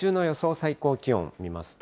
最高気温見ますと。